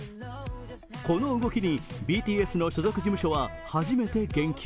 この動きに、ＢＴＳの所属事務所は初めて言及。